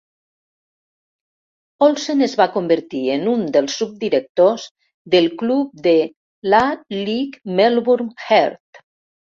Olsen es va convertir en un dels subdirectors del club de l'A-League, Melbourne Heart.